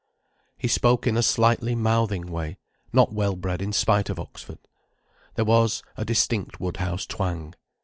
He spoke in a slightly mouthing way, not well bred in spite of Oxford. There was a distinct Woodhouse twang.